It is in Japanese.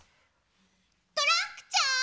・トランクちゃん！